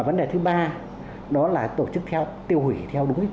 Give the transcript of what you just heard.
vấn đề thứ ba đó là tổ chức tiêu hủy theo đúng quy định